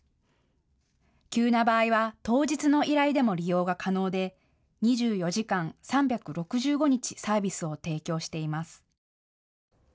急な場合は当日の依頼でも利用が可能で２４時間３６５日、サービスを提供しています。